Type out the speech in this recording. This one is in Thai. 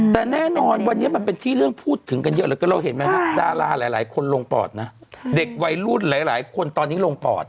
แต่แน่นอนวันนี้มันเป็นที่เรื่องพูดถึงกันเยอะเหลือเกินเราเห็นไหมฮะดาราหลายคนลงปอดนะเด็กวัยรุ่นหลายคนตอนนี้ลงปอด